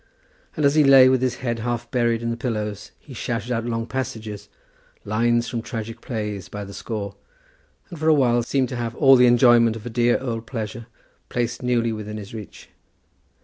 And as he lay with his head half buried in the pillows, he shouted out long passages, lines from tragic plays by the score, and for a while seemed to have all the enjoyment of a dear old pleasure placed newly within his reach.